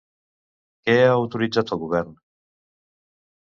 Què ha autoritzat el govern?